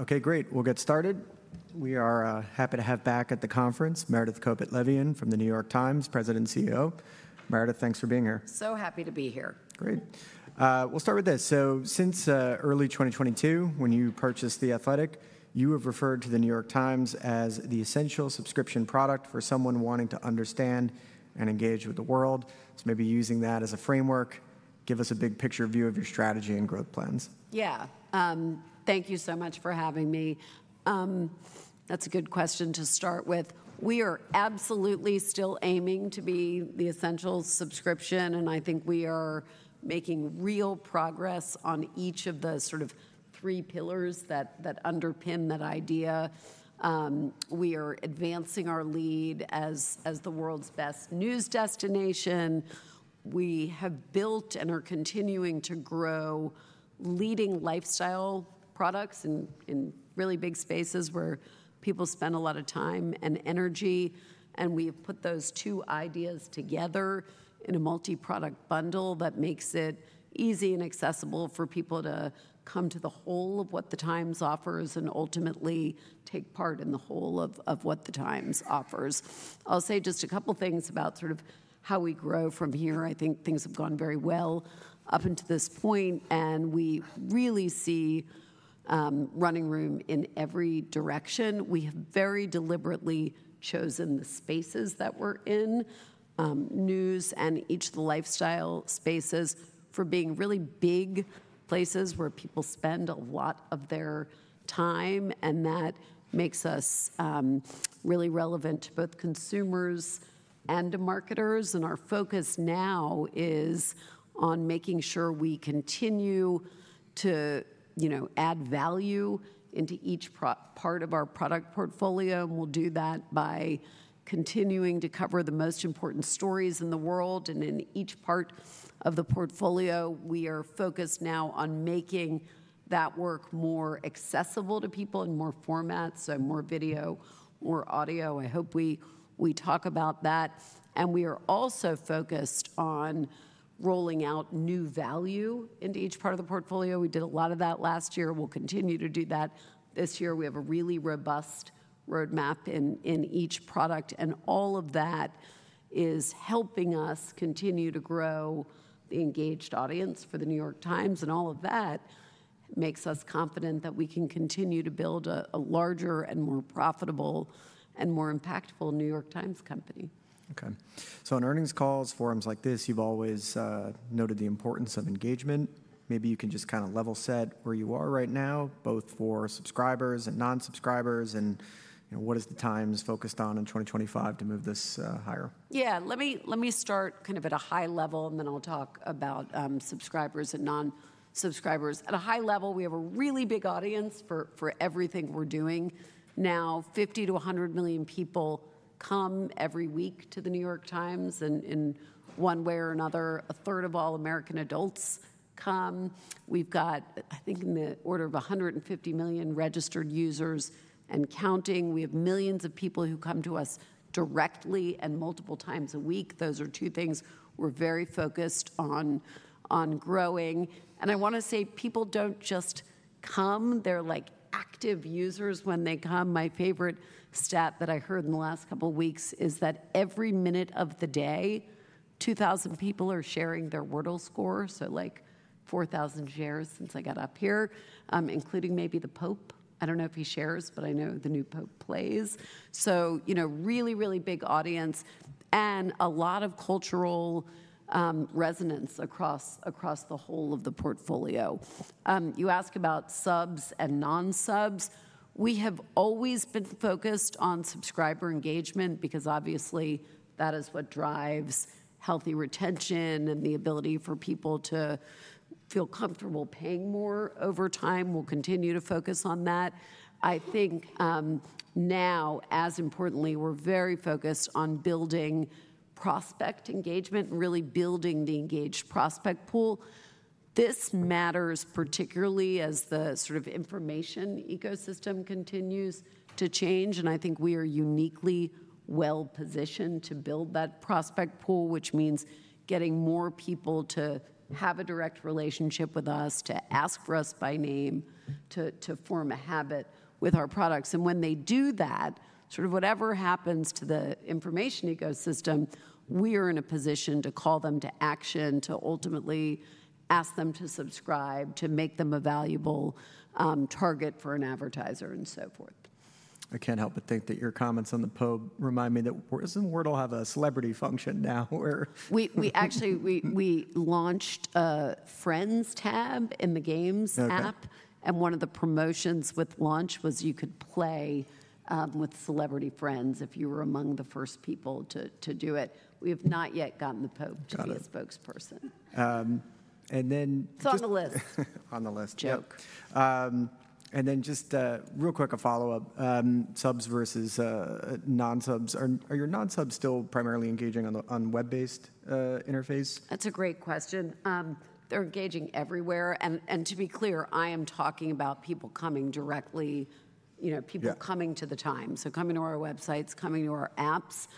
Okay, great. We'll get started. We are happy to have back at the conference Meredith Kopit Levien from The New York Times, President and CEO. Meredith, thanks for being here. Happy to be here. Great. We'll start with this. Since early 2022, when you purchased The Athletic, you have referred to The New York Times as the essential subscription product for someone wanting to understand and engage with the world. Maybe using that as a framework, give us a big picture view of your strategy and growth plans. Yeah. Thank you so much for having me. That's a good question to start with. We are absolutely still aiming to be the essential subscription, and I think we are making real progress on each of the sort of three pillars that underpin that idea. We are advancing our lead as the world's best news destination. We have built and are continuing to grow leading lifestyle products in really big spaces where people spend a lot of time and energy. We have put those two ideas together in a multi-product bundle that makes it easy and accessible for people to come to the whole of what The Times offers and ultimately take part in the whole of what The Times offers. I'll say just a couple of things about sort of how we grow from here. I think things have gone very well up until this point, and we really see running room in every direction. We have very deliberately chosen the spaces that we're in, news and each of the lifestyle spaces, for being really big places where people spend a lot of their time. That makes us really relevant to both consumers and to marketers. Our focus now is on making sure we continue to add value into each part of our product portfolio. We'll do that by continuing to cover the most important stories in the world. In each part of the portfolio, we are focused now on making that work more accessible to people in more formats, so more video, more audio. I hope we talk about that. We are also focused on rolling out new value into each part of the portfolio. We did a lot of that last year. We'll continue to do that. This year, we have a really robust roadmap in each product. All of that is helping us continue to grow the engaged audience for The New York Times. All of that makes us confident that we can continue to build a larger and more profitable and more impactful New York Times Company. Okay. On earnings calls, forums like this, you've always noted the importance of engagement. Maybe you can just kind of level set where you are right now, both for subscribers and non-subscribers, and what is The Times focused on in 2025 to move this higher? Yeah. Let me start kind of at a high level, and then I'll talk about subscribers and non-subscribers. At a high level, we have a really big audience for everything we're doing now. 50-100 million people come every week to The New York Times in one way or another. A third of all American adults come. We've got, I think, in the order of 150 million registered users and counting. We have millions of people who come to us directly and multiple times a week. Those are two things we're very focused on growing. I want to say people don't just come. They're like active users when they come. My favorite stat that I heard in the last couple of weeks is that every minute of the day, 2,000 people are sharing their Wordle score, so like 4,000 shares since I got up here, including maybe the Pope. I don't know if he shares, but I know the new Pope plays. Really, really big audience and a lot of cultural resonance across the whole of the portfolio. You ask about subs and non-subs. We have always been focused on subscriber engagement because obviously that is what drives healthy retention and the ability for people to feel comfortable paying more over time. We'll continue to focus on that. I think now, as importantly, we're very focused on building prospect engagement and really building the engaged prospect pool. This matters particularly as the sort of information ecosystem continues to change. I think we are uniquely well-positioned to build that prospect pool, which means getting more people to have a direct relationship with us, to ask for us by name, to form a habit with our products. When they do that, sort of whatever happens to the information ecosystem, we are in a position to call them to action, to ultimately ask them to subscribe, to make them a valuable target for an advertiser and so forth. I can't help but think that your comments on the Pope remind me that Wordle has a celebrity function now where. We actually launched a friends tab in the Games app. One of the promotions with launch was you could play with celebrity friends if you were among the first people to do it. We have not yet gotten the Pope to be a spokesperson. Got it. Then. It's on the list. On the list. Just real quick, a follow-up. Subs versus non-subs. Are your non-subs still primarily engaging on the web-based interface? That's a great question. They're engaging everywhere. To be clear, I am talking about people coming directly, people coming to The Times, so coming to our websites, coming to our apps.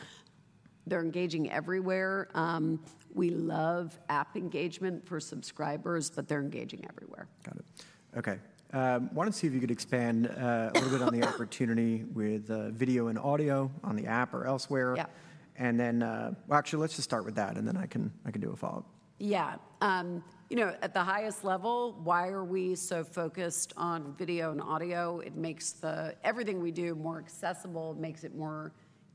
They're engaging everywhere. We love app engagement for subscribers, but they're engaging everywhere. Got it. Okay. I wanted to see if you could expand a little bit on the opportunity with video and audio on the app or elsewhere. Yeah. Actually, let's just start with that, and then I can do a follow-up. Yeah. You know, at the highest level, why are we so focused on video and audio? It makes everything we do more accessible, makes it more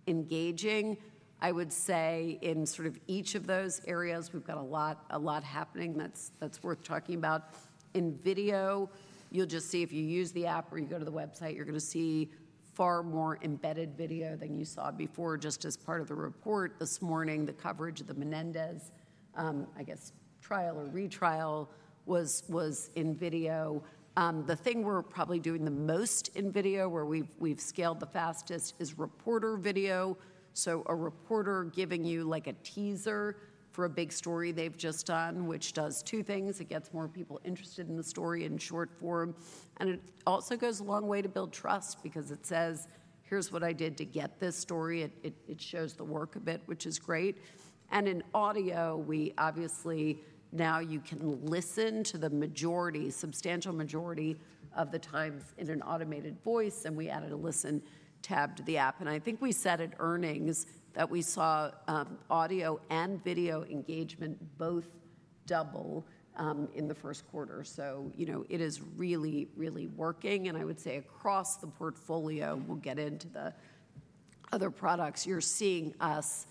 engaging. I would say in sort of each of those areas, we've got a lot happening that's worth talking about. In video, you'll just see if you use the app or you go to the website, you're going to see far more embedded video than you saw before. Just as part of the report this morning, the coverage of the Menendez, I guess trial or retrial, was in video. The thing we're probably doing the most in video, where we've scaled the fastest, is reporter video. So a reporter giving you like a teaser for a big story they've just done, which does two things. It gets more people interested in the story in short form. It also goes a long way to build trust because it says, "Here's what I did to get this story." It shows the work a bit, which is great. In audio, we obviously now you can listen to the majority, substantial majority of the times in an automated voice. We added a listen tab to the app. I think we said at earnings that we saw audio and video engagement both double in the first quarter. It is really, really working. I would say across the portfolio, we'll get into the other products. You're seeing us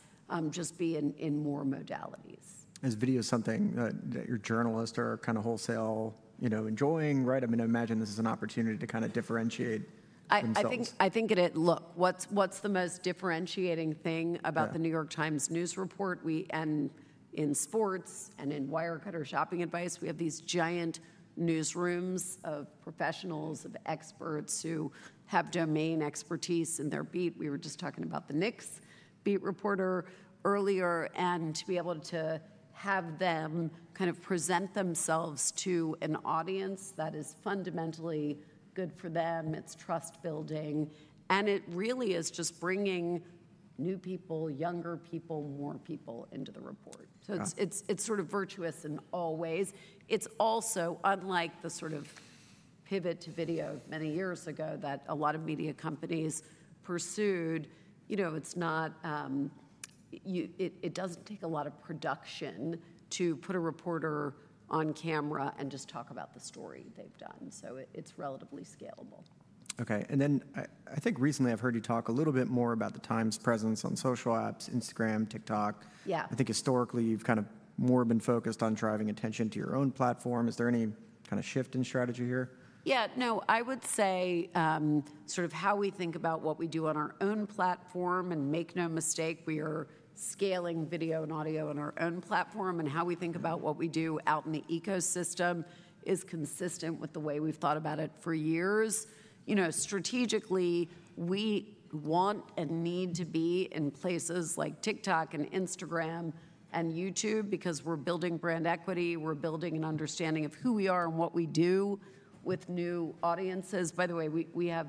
just be in more modalities. Is video something that your journalists are kind of wholesale enjoying, right? I mean, I imagine this is an opportunity to kind of differentiate themselves. I think it is. Look, what's the most differentiating thing about The New York Times news report? And in sports and in Wirecutter shopping advice, we have these giant newsrooms of professionals, of experts who have domain expertise in their beat. We were just talking about the Knicks beat reporter earlier. And to be able to have them kind of present themselves to an audience that is fundamentally good for them, it's trust-building. It really is just bringing new people, younger people, more people into the report. It is sort of virtuous in all ways. It is also, unlike the sort of pivot to video many years ago that a lot of media companies pursued, it does not take a lot of production to put a reporter on camera and just talk about the story they have done. It is relatively scalable. Okay. I think recently I've heard you talk a little bit more about The Times' presence on social apps, Instagram, TikTok. Yeah. I think historically you've kind of more been focused on driving attention to your own platform. Is there any kind of shift in strategy here? Yeah. No, I would say sort of how we think about what we do on our own platform, and make no mistake, we are scaling video and audio on our own platform. How we think about what we do out in the ecosystem is consistent with the way we've thought about it for years. Strategically, we want and need to be in places like TikTok and Instagram and YouTube because we're building brand equity. We're building an understanding of who we are and what we do with new audiences. By the way, we have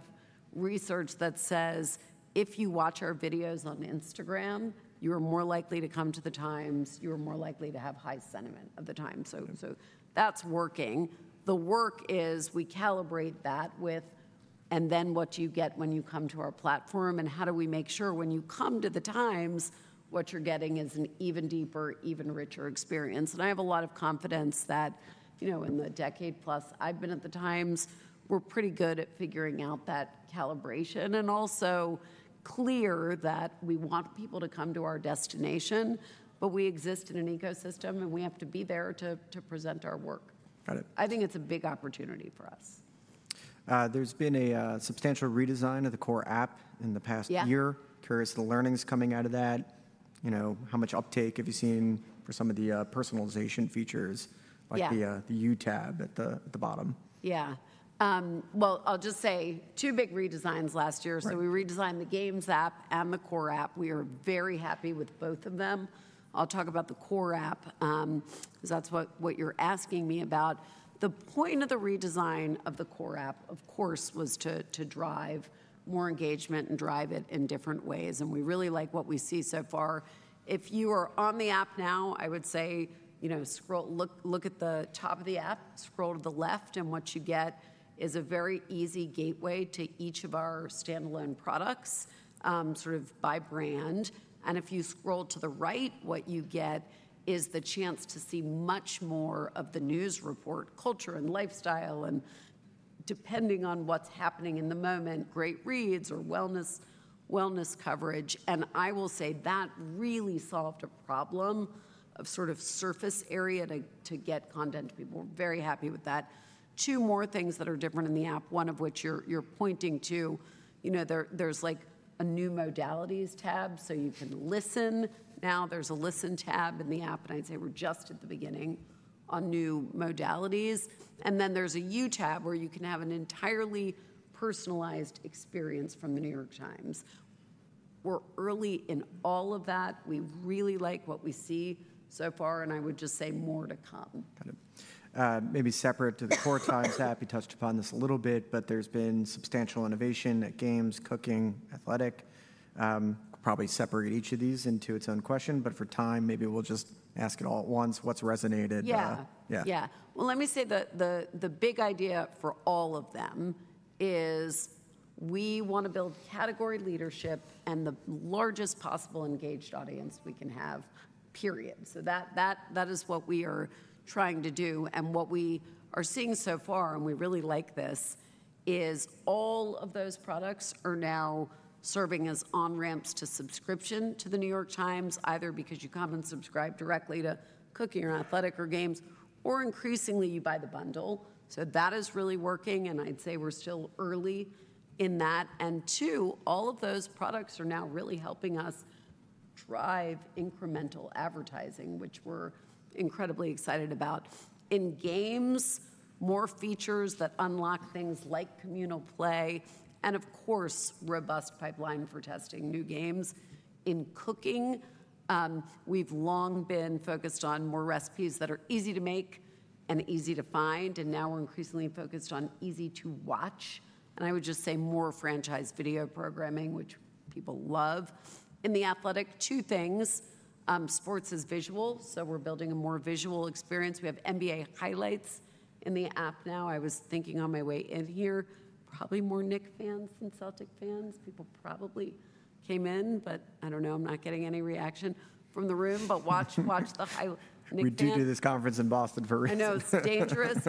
research that says if you watch our videos on Instagram, you are more likely to come to The New York Times. You are more likely to have high sentiment of The New York Times. That is working. The work is we calibrate that with. And then what do you get when you come to our platform? How do we make sure when you come to The Times, what you're getting is an even deeper, even richer experience? I have a lot of confidence that in the decade plus I've been at The Times, we're pretty good at figuring out that calibration and also clear that we want people to come to our destination. We exist in an ecosystem, and we have to be there to present our work. Got it. I think it's a big opportunity for us. There's been a substantial redesign of the core app in the past year. Yeah. Curious of the learnings coming out of that. How much uptake have you seen for some of the personalization features, like the You tab at the bottom? Yeah. I'll just say two big redesigns last year. We redesigned the Games app and the core app. We are very happy with both of them. I'll talk about the core app because that's what you're asking me about. The point of the redesign of the core app, of course, was to drive more engagement and drive it in different ways. We really like what we see so far. If you are on the app now, I would say look at the top of the app, scroll to the left, and what you get is a very easy gateway to each of our standalone products sort of by brand. If you scroll to the right, what you get is the chance to see much more of the news report, culture and lifestyle and, depending on what's happening in the moment, great reads or wellness coverage. I will say that really solved a problem of sort of surface area to get content to people. We're very happy with that. Two more things that are different in the app, one of which you're pointing to. There's like a new modalities tab, so you can listen. Now there's a listen tab in the app. I'd say we're just at the beginning on new modalities. Then there's a You tab where you can have an entirely personalized experience from The New York Times. We're early in all of that. We really like what we see so far. I would just say more to come. Got it. Maybe separate to the core Times, I am happy to touch upon this a little bit, but there's been substantial innovation at Games, Cooking, Athletic. Probably separate each of these into its own question. For time, maybe we'll just ask it all at once. What's resonated? Yeah. Yeah. Yeah. Let me say the big idea for all of them is we want to build category leadership and the largest possible engaged audience we can have, period. That is what we are trying to do. What we are seeing so far, and we really like this, is all of those products are now serving as on-ramps to subscription to The New York Times, either because you come and subscribe directly to Cooking or The Athletic or Games, or increasingly you buy the Bundle. That is really working. I'd say we're still early in that. Two, all of those products are now really helping us drive incremental advertising, which we're incredibly excited about. In Games, more features that unlock things like communal play. Of course, robust pipeline for testing new games. In Cooking, we've long been focused on more recipes that are easy to make and easy to find. Now we're increasingly focused on easy to watch. I would just say more franchise video programming, which people love. In The Athletic, two things. Sports is visual, so we're building a more visual experience. We have NBA highlights in the app now. I was thinking on my way in here, probably more Knicks fans than Celtics fans. People probably came in, but I don't know. I'm not getting any reaction from the room. Watch the Knicks fans. We did do this conference in Boston for recently. I know. It's dangerous.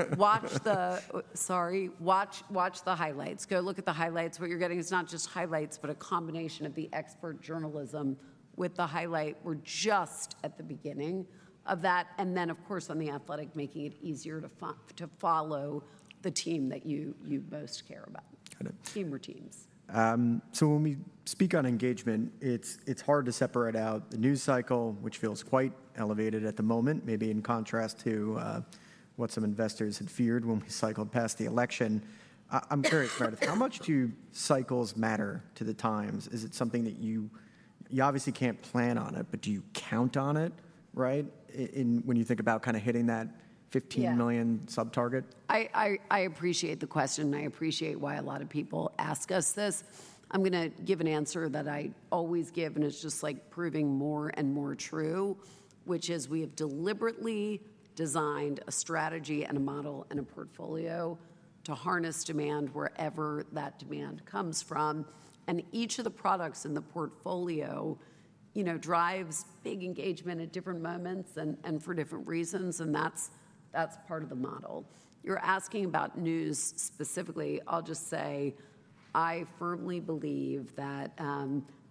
Sorry. Watch the highlights. Go look at the highlights. What you're getting is not just highlights, but a combination of the expert journalism with the highlight. We're just at the beginning of that. Of course, on The Athletic, making it easier to follow the team that you most care about, team or teams. When we speak on engagement, it's hard to separate out the news cycle, which feels quite elevated at the moment, maybe in contrast to what some investors had feared when we cycled past the election. I'm curious, Meredith, how much do cycles matter to The Times? Is it something that you obviously can't plan on it, but do you count on it, right, when you think about kind of hitting that 15 million sub-target? I appreciate the question. I appreciate why a lot of people ask us this. I'm going to give an answer that I always give, and it's just like proving more and more true, which is we have deliberately designed a strategy and a model and a portfolio to harness demand wherever that demand comes from. Each of the products in the portfolio drives big engagement at different moments and for different reasons. That's part of the model. You're asking about news specifically. I'll just say I firmly believe that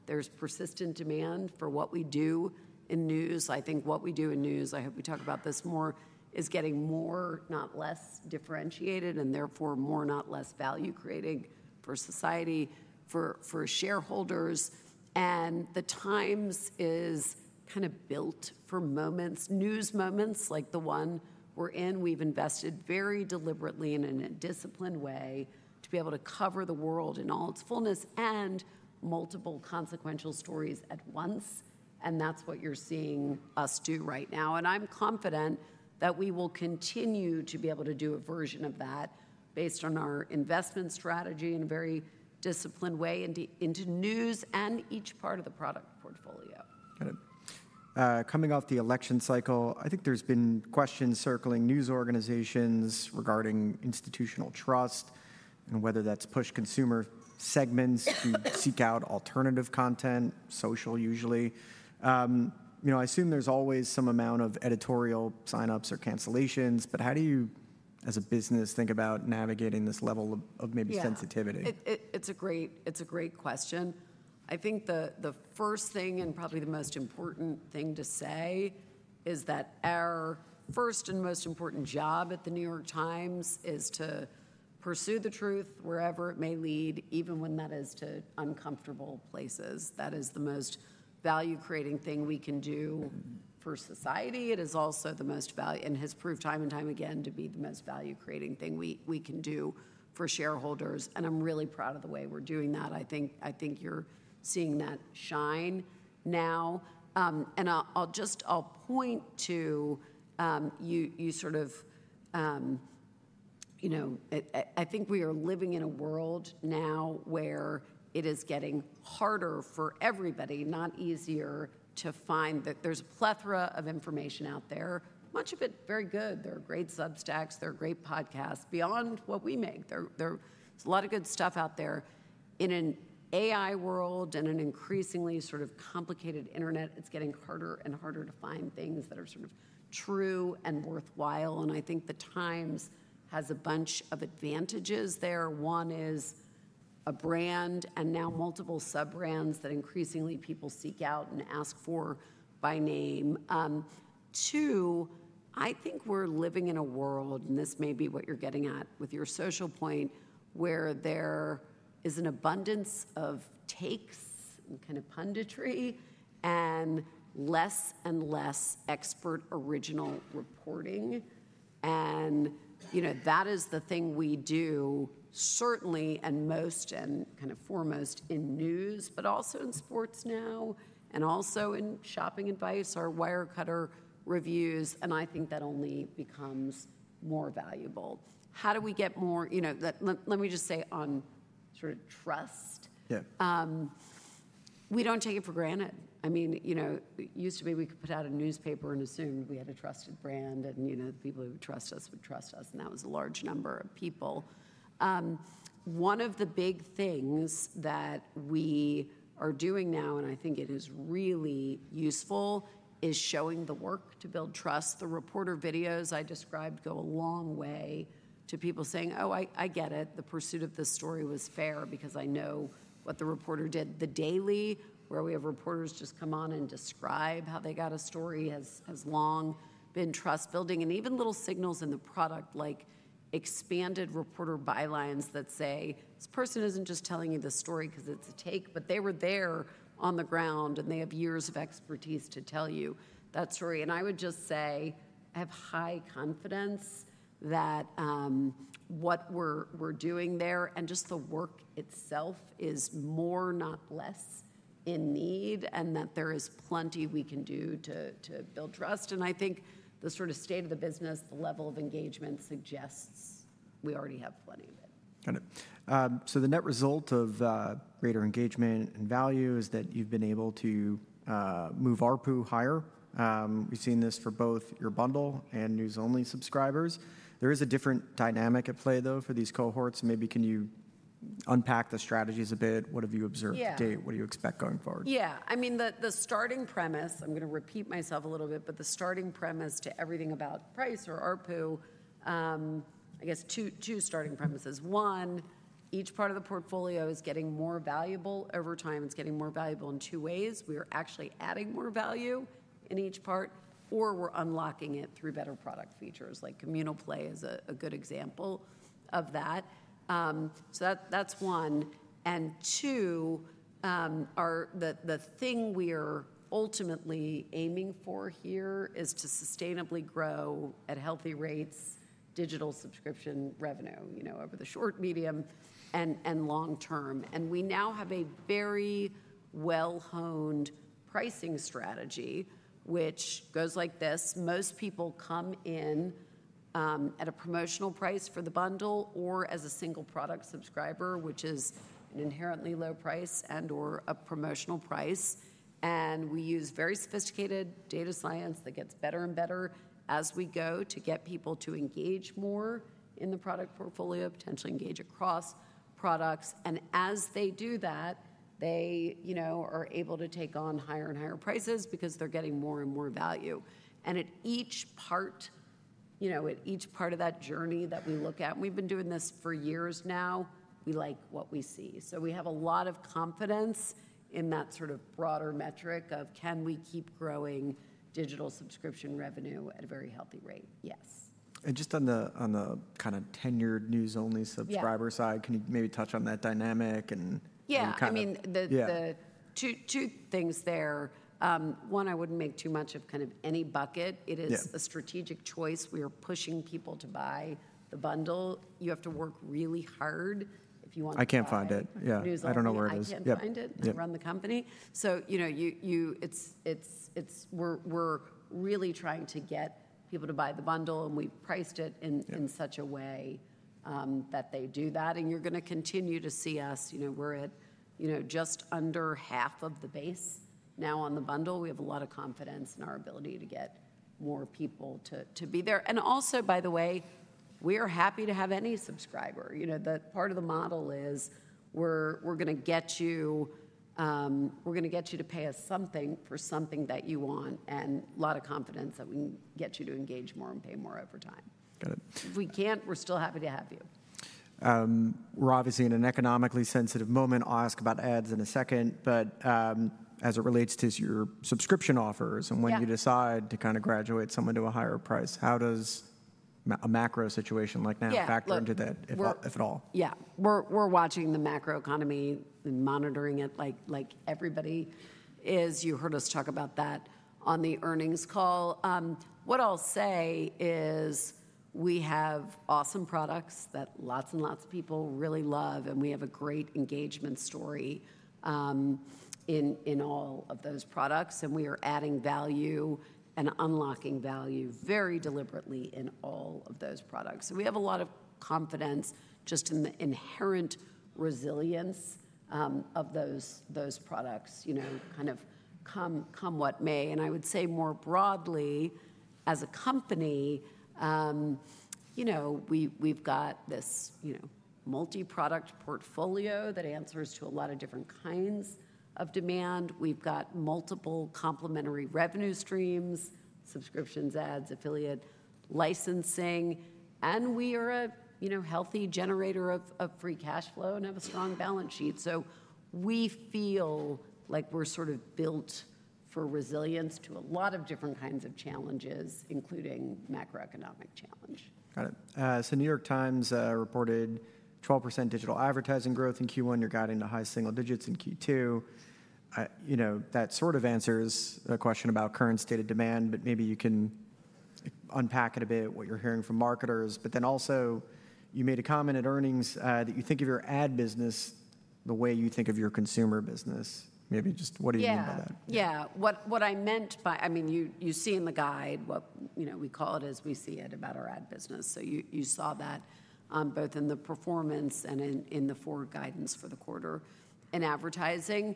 there's persistent demand for what we do in news. I think what we do in news, I hope we talk about this more, is getting more, not less, differentiated and therefore more, not less, value creating for society, for shareholders. The Times is kind of built for moments, news moments like the one we're in. We've invested very deliberately in a disciplined way to be able to cover the world in all its fullness and multiple consequential stories at once. That is what you're seeing us do right now. I'm confident that we will continue to be able to do a version of that based on our investment strategy in a very disciplined way into news and each part of the product portfolio. Got it. Coming off the election cycle, I think there's been questions circling news organizations regarding institutional trust and whether that's pushed consumer segments to seek out alternative content, social usually. I assume there's always some amount of editorial sign-ups or cancellations. How do you, as a business, think about navigating this level of maybe sensitivity? Yeah. It's a great question. I think the first thing and probably the most important thing to say is that our first and most important job at The New York Times is to pursue the truth wherever it may lead, even when that is to uncomfortable places. That is the most value-creating thing we can do for society. It is also the most value and has proved time and time again to be the most value-creating thing we can do for shareholders. I'm really proud of the way we're doing that. I think you're seeing that shine now. I'll point to you sort of I think we are living in a world now where it is getting harder for everybody, not easier, to find that there's a plethora of information out there, much of it very good. There are great substacks. There are great podcasts beyond what we make. There's a lot of good stuff out there. In an AI world and an increasingly sort of complicated internet, it's getting harder and harder to find things that are sort of true and worthwhile. I think The Times has a bunch of advantages there. One is a brand and now multiple sub-brands that increasingly people seek out and ask for by name. Two, I think we're living in a world, and this may be what you're getting at with your social point, where there is an abundance of takes and kind of punditry and less and less expert original reporting. That is the thing we do certainly and most and kind of foremost in news, but also in sports now and also in shopping advice, our Wirecutter reviews. I think that only becomes more valuable. How do we get more? Let me just say on sort of trust, we do not take it for granted. I mean, it used to be we could put out a newspaper and assumed we had a trusted brand. And the people who would trust us would trust us. And that was a large number of people. One of the big things that we are doing now, and I think it is really useful, is showing the work to build trust. The reporter videos I described go a long way to people saying, "Oh, I get it. The pursuit of this story was fair because I know what the reporter did." The Daily, where we have reporters just come on and describe how they got a story, has long been trust-building. Even little signals in the product, like expanded reporter bylines that say, "This person isn't just telling you the story because it's a take, but they were there on the ground, and they have years of expertise to tell you that story." I would just say I have high confidence that what we're doing there and just the work itself is more, not less, in need and that there is plenty we can do to build trust. I think the sort of state of the business, the level of engagement suggests we already have plenty of it. Got it. So the net result of greater engagement and value is that you've been able to move ARPU higher. We've seen this for both your bundle and news-only subscribers. There is a different dynamic at play, though, for these cohorts. Maybe can you unpack the strategies a bit? What have you observed to date? What do you expect going forward? Yeah. I mean, the starting premise, I'm going to repeat myself a little bit, but the starting premise to everything about price or ARPU, I guess two starting premises. One, each part of the portfolio is getting more valuable over time. It's getting more valuable in two ways. We are actually adding more value in each part, or we're unlocking it through better product features. Like communal play is a good example of that. That's one. Two, the thing we are ultimately aiming for here is to sustainably grow at healthy rates digital subscription revenue over the short, medium, and long term. We now have a very well-honed pricing strategy, which goes like this. Most people come in at a promotional price for the bundle or as a single product subscriber, which is an inherently low price and/or a promotional price. We use very sophisticated data science that gets better and better as we go to get people to engage more in the product portfolio, potentially engage across products. As they do that, they are able to take on higher and higher prices because they're getting more and more value. At each part of that journey that we look at, and we've been doing this for years now, we like what we see. We have a lot of confidence in that sort of broader metric of can we keep growing digital subscription revenue at a very healthy rate? Yes. Just on the kind of tenured news-only subscriber side, can you maybe touch on that dynamic and kind of? Yeah. I mean, two things there. One, I would not make too much of kind of any bucket. It is a strategic choice. We are pushing people to buy the bundle. You have to work really hard if you want to find it. I can't find it. Yeah, I don't know where it is. Run the company. We are really trying to get people to buy the bundle. We have priced it in such a way that they do that. You are going to continue to see us. We are at just under half of the base now on the bundle. We have a lot of confidence in our ability to get more people to be there. Also, by the way, we are happy to have any subscriber. Part of the model is we are going to get you to pay us something for something that you want and a lot of confidence that we can get you to engage more and pay more over time. Got it. If we can't, we're still happy to have you. We're obviously in an economically sensitive moment. I'll ask about ads in a second. As it relates to your subscription offers and when you decide to kind of graduate someone to a higher price, how does a macro situation like now factor into that, if at all? Yeah. We're watching the macro economy and monitoring it like everybody is. You heard us talk about that on the earnings call. What I'll say is we have awesome products that lots and lots of people really love. We have a great engagement story in all of those products. We are adding value and unlocking value very deliberately in all of those products. We have a lot of confidence just in the inherent resilience of those products, kind of come what may. I would say more broadly, as a company, we've got this multi-product portfolio that answers to a lot of different kinds of demand. We've got multiple complementary revenue streams, subscriptions, ads, affiliate, licensing. We are a healthy generator of free cash flow and have a strong balance sheet. We feel like we're sort of built for resilience to a lot of different kinds of challenges, including macroeconomic challenge. Got it. The New York Times reported 12% digital advertising growth in Q1. You're guiding to high single digits in Q2. That sort of answers the question about current state of demand. Maybe you can unpack it a bit, what you're hearing from marketers. Also, you made a comment at earnings that you think of your ad business the way you think of your consumer business. Maybe just what do you mean by that? Yeah. What I meant by, I mean, you see in the guide what we call it as we see it about our ad business. You saw that both in the performance and in the forward guidance for the quarter in advertising.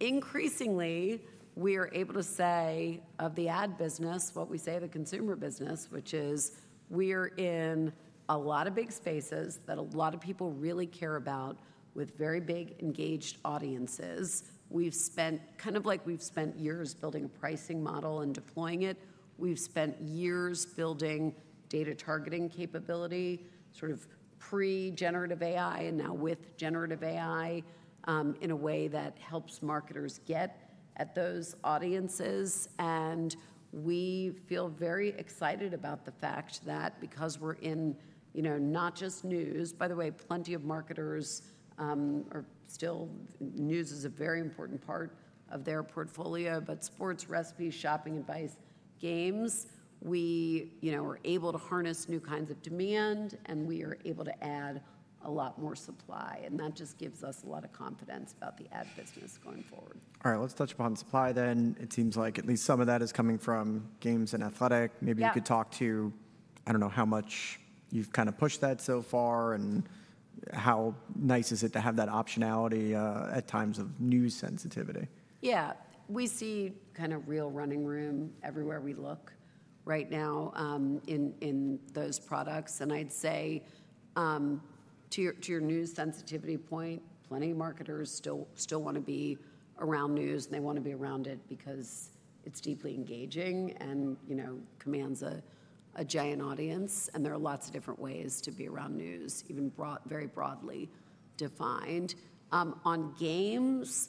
Increasingly, we are able to say of the ad business what we say of the consumer business, which is we are in a lot of big spaces that a lot of people really care about with very big engaged audiences. We've spent, kind of like, we've spent years building a pricing model and deploying it. We've spent years building data targeting capability, sort of pre-generative AI and now with generative AI in a way that helps marketers get at those audiences. We feel very excited about the fact that because we're in not just news, by the way, plenty of marketers are still news is a very important part of their portfolio, but sports, recipes, shopping advice, games, we are able to harness new kinds of demand. We are able to add a lot more supply. That just gives us a lot of confidence about the ad business going forward. All right. Let's touch upon supply then. It seems like at least some of that is coming from Games and The Athletic. Maybe you could talk to, I don't know how much you've kind of pushed that so far and how nice is it to have that optionality at times of news sensitivity. Yeah. We see kind of real running room everywhere we look right now in those products. I'd say to your news sensitivity point, plenty of marketers still want to be around news. They want to be around it because it's deeply engaging and commands a giant audience. There are lots of different ways to be around news, even very broadly defined. On Games,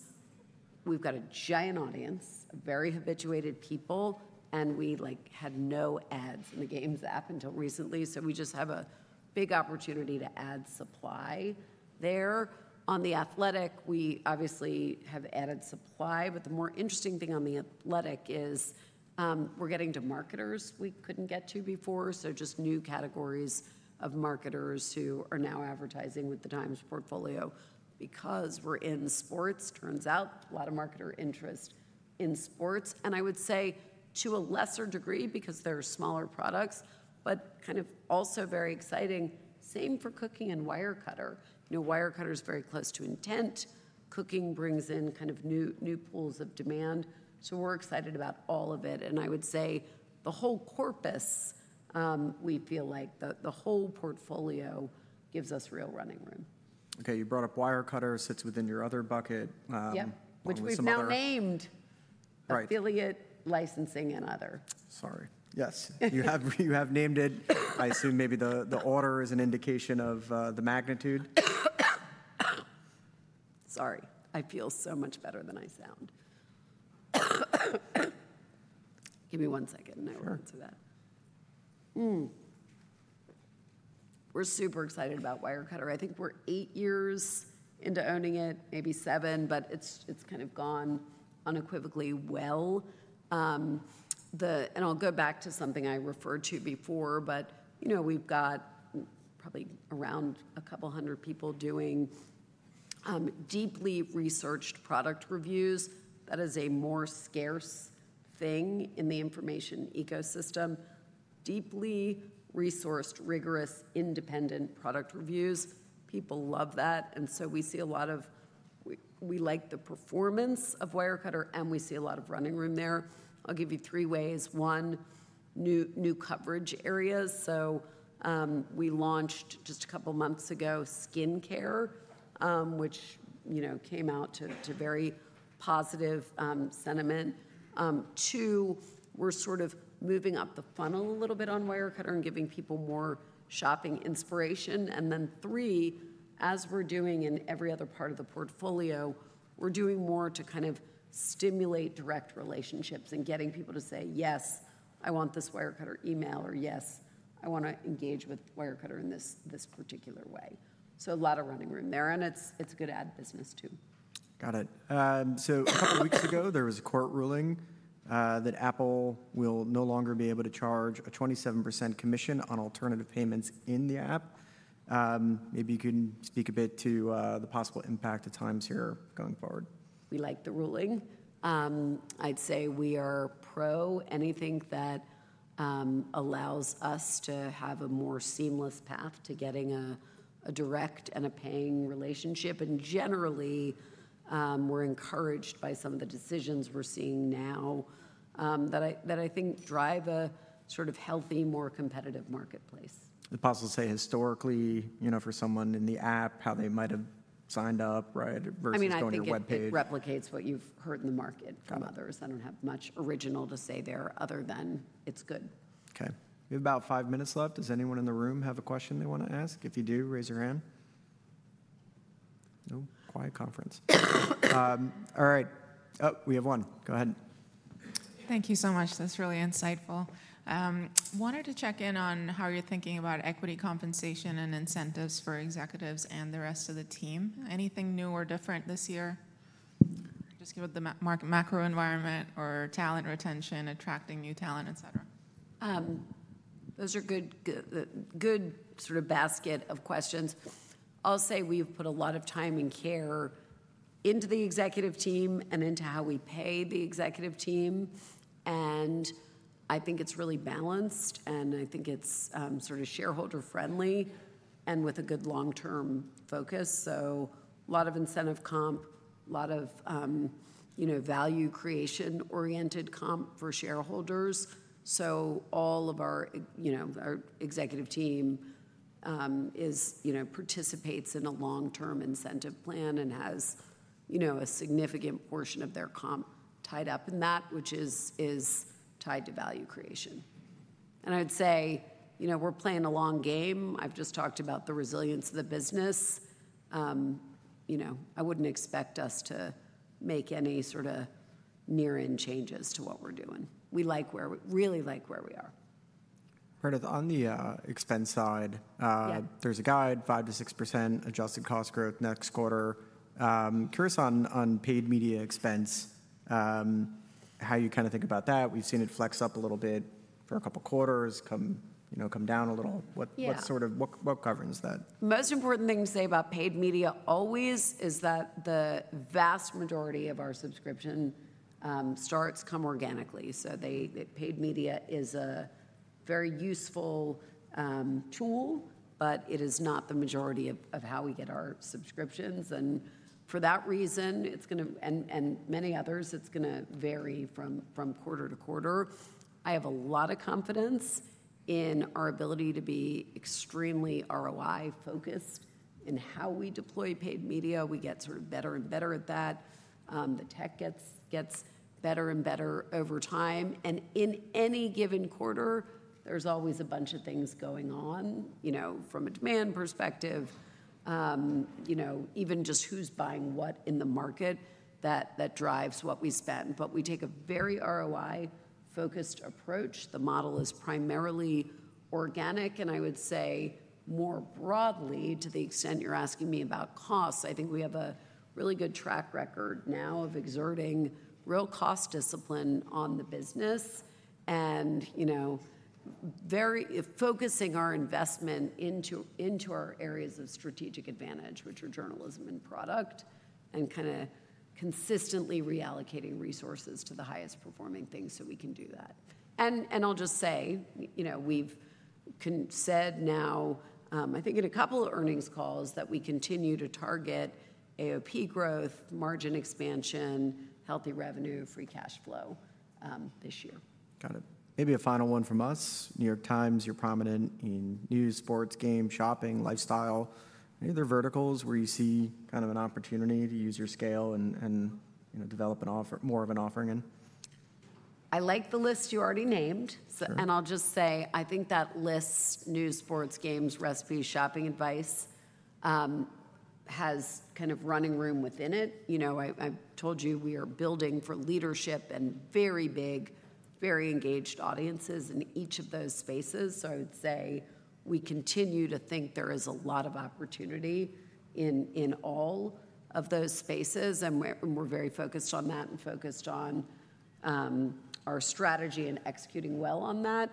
we've got a giant audience of very habituated people. We had no ads in the Games app until recently. We just have a big opportunity to add supply there. On The Athletic, we obviously have added supply. The more interesting thing on The Athletic is we're getting to marketers we couldn't get to before. Just new categories of marketers who are now advertising with The Times portfolio. Because we're in sports, turns out a lot of marketer interest in sports. I would say to a lesser degree because they're smaller products, but kind of also very exciting. Same for Cooking and Wirecutter. Wirecutter is very close to intent. Cooking brings in kind of new pools of demand. We're excited about all of it. I would say the whole corpus, we feel like the whole portfolio gives us real running room. Okay. You brought up Wirecutter. It sits within your other bucket. Yeah. Which we've now named affiliate, licensing, and other. Sorry. Yes. You have named it. I assume maybe the order is an indication of the magnitude. Sorry. I feel so much better than I sound. Give me one second, and I will answer that. We're super excited about Wirecutter. I think we're eight years into owning it, maybe seven, but it has kind of gone unequivocally well. I will go back to something I referred to before. We have probably around a couple hundred people doing deeply researched product reviews. That is a more scarce thing in the information ecosystem. Deeply resourced, rigorous, independent product reviews. People love that. We like the performance of Wirecutter. We see a lot of running room there. I will give you three ways. One, new coverage areas. We launched just a couple months ago skincare, which came out to very positive sentiment. Two, we're sort of moving up the funnel a little bit on Wirecutter and giving people more shopping inspiration. Three, as we're doing in every other part of the portfolio, we're doing more to kind of stimulate direct relationships and getting people to say, "Yes, I want this Wirecutter email," or, "Yes, I want to engage with Wirecutter in this particular way." A lot of running room there. It is a good ad business too. Got it. A couple of weeks ago, there was a court ruling that Apple will no longer be able to charge a 27% commission on alternative payments in the app. Maybe you can speak a bit to the possible impact of Times here going forward. We like the ruling. I'd say we are pro anything that allows us to have a more seamless path to getting a direct and a paying relationship. Generally, we're encouraged by some of the decisions we're seeing now that I think drive a sort of healthy, more competitive marketplace. It's possible to say historically for someone in the app how they might have signed up versus going to a web page. I mean, I think it replicates what you've heard in the market from others. I don't have much original to say there other than it's good. Okay. We have about five minutes left. Does anyone in the room have a question they want to ask? If you do, raise your hand. No? Quiet conference. All right. Oh, we have one. Go ahead. Thank you so much. That's really insightful. Wanted to check in on how you're thinking about equity compensation and incentives for executives and the rest of the team. Anything new or different this year? Just given the macro environment or talent retention, attracting new talent, et cetera. Those are good sort of basket of questions. I'll say we've put a lot of time and care into the executive team and into how we pay the executive team. I think it's really balanced. I think it's sort of shareholder friendly and with a good long-term focus. A lot of incentive comp, a lot of value creation-oriented comp for shareholders. All of our executive team participates in a long-term incentive plan and has a significant portion of their comp tied up in that, which is tied to value creation. I would say we're playing a long game. I've just talked about the resilience of the business. I wouldn't expect us to make any sort of near-end changes to what we're doing. We really like where we are. Heard it. On the expense side, there's a guide, 5%-6% adjusted cost growth next quarter. Curious on paid media expense, how you kind of think about that. We've seen it flex up a little bit for a couple quarters, come down a little. What governs that? Most important thing to say about paid media always is that the vast majority of our subscription starts come organically. Paid media is a very useful tool. It is not the majority of how we get our subscriptions. For that reason, and many others, it is going to vary from quarter to quarter. I have a lot of confidence in our ability to be extremely ROI-focused in how we deploy paid media. We get sort of better and better at that. The tech gets better and better over time. In any given quarter, there is always a bunch of things going on from a demand perspective, even just who is buying what in the market that drives what we spend. We take a very ROI-focused approach. The model is primarily organic. I would say more broadly, to the extent you're asking me about costs, I think we have a really good track record now of exerting real cost discipline on the business and focusing our investment into our areas of strategic advantage, which are journalism and product, and kind of consistently reallocating resources to the highest performing things so we can do that. I'll just say we've said now, I think in a couple of earnings calls, that we continue to target AOP growth, margin expansion, healthy revenue, free cash flow this year. Got it. Maybe a final one from us. The New York Times, you're prominent in news, sports, games, shopping, lifestyle. Any other verticals where you see kind of an opportunity to use your scale and develop more of an offering in? I like the list you already named. I think that list, news, sports, games, recipes, shopping advice, has kind of running room within it. I have told you we are building for leadership and very big, very engaged audiences in each of those spaces. I would say we continue to think there is a lot of opportunity in all of those spaces. We are very focused on that and focused on our strategy and executing well on that.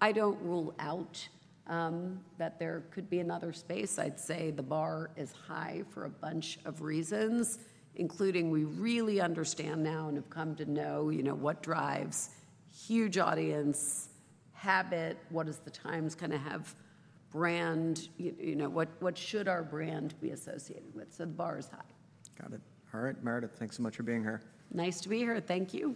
I do not rule out that there could be another space. I would say the bar is high for a bunch of reasons, including we really understand now and have come to know what drives huge audience, habit, what does The Times kind of have brand, what should our brand be associated with. The bar is high. Got it. All right. Meredith, thanks so much for being here. Nice to be here. Thank you.